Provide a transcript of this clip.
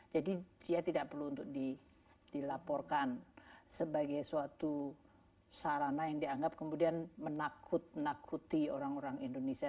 jadi dia tidak perlu dilaporkan sebagai suatu sarana yang dianggap menakuti orang orang indonesia